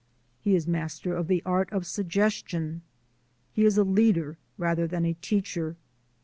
He is master of the art of suggestion. He is a leader rather than a teacher.